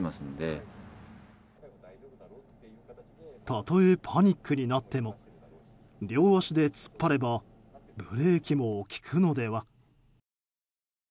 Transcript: たとえパニックになっても両足で突っ張ればブレーキも利くのでは？